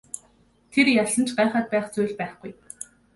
Тэр ялсан ч гайхаад байх зүйл байхгүй.